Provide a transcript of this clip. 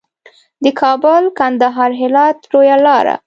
د کابل، کندهار، هرات لویه لار.